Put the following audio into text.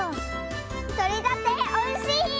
とれたておいしい！